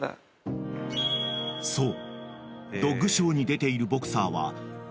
［そう］